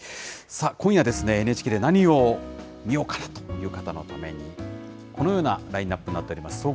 さあ、今夜ですね、ＮＨＫで何を見ようかなという方のために、このようなラインナップになっております。